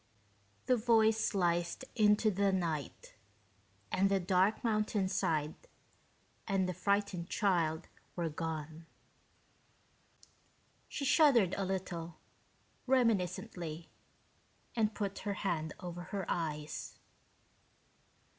The voice sliced into the night, and the dark mountainside and the frightened child were gone. She shuddered a little, reminiscently, and put her hand over her eyes.